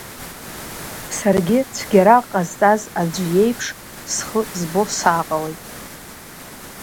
Саргьы цәгьарак ҟазҵаз аӡәы иеиԥш схы збо сааҟалеит.